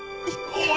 おい！